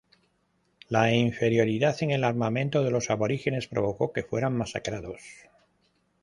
La inferioridad en el armamento de los aborígenes provocó que fueran masacrados.